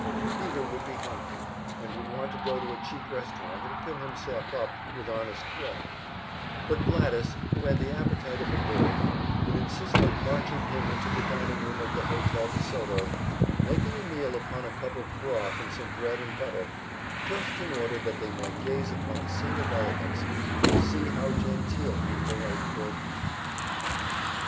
Peter would be hungry, and would want to go to a cheap restaurant and fill himself up with honest grub; but Gladys, who had the appetite of a bird, would insist on marching him into the dining room of the Hotel de Soto and making a meal upon a cup of broth and some bread and butter just in order that they might gaze upon a scene of elegance and see bow "genteel" people ate their food.